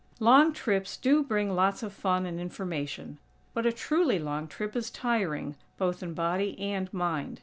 Long trips do bring lots of fun and information; but a truly long trip is tiring, both in body and mind.